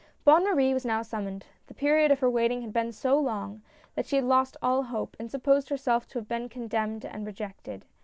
Bonne Marie was now summoned. The period of her waiting had been so long, that she had lost all hope, and supposed herself to have been condemned and rejected.